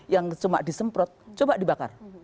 yang cuma disemprot coba dibakar